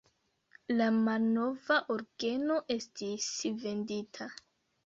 La malnova orgeno estis vendita.